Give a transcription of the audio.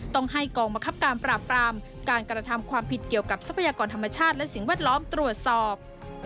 ต้องให้กองบังคับการปราบปรามการกระทำความผิดเกี่ยวกับทรัพยากรธรรมชาติและสิ่งแวดล้อมตรวจสอบ